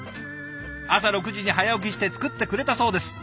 朝６時に早起きして作ってくれたそうです。